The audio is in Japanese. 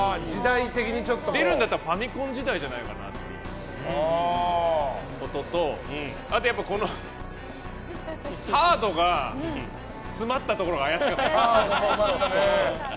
出るんだったらファミコン時代じゃないかなっていうこととあと、ハードが詰まったところが怪しかった。